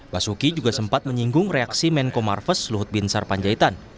basuki juga sempat menyinggung reaksi menko marves luhut bin sarpanjaitan